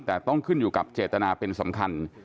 แต่ต้องขึ้นอยู่กับเจตนาเป็นสำคัญ